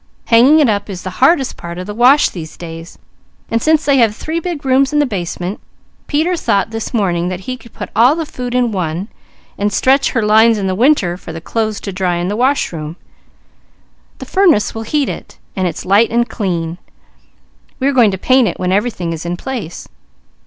Hanging it up is the hardest part of the wash these days, and since they have three big rooms in the basement, Peter thought this morning that he could put all the food in one, and stretch her lines in the winter for the clothes to dry in the washroom. The furnace will heat it, and it's light and clean; we are going to paint it when everything is in place."